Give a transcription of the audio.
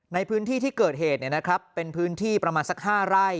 ในพื้นที่ที่เกิดเหตุเป็นพื้นที่ประมาณสัก๕ไร่